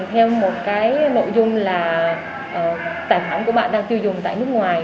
theo một cái nội dung là tài khoản của bạn đang tiêu dùng tại nước ngoài